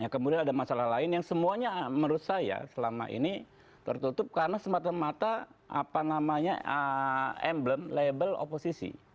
kemudian ada masalah lain yang semuanya menurut saya selama ini tertutup karena semata mata apa namanya emblem label oposisi